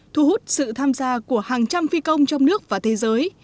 thu hút sự tham gia của hàng trăm phi công trong nước và thế giới